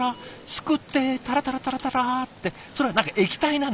すくってタラタラタラタラーってそれは何か液体なんだ。